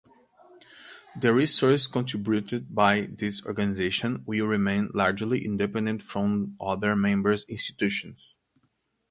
The resources contributed by these organizations will remain largely independent from other member institutions.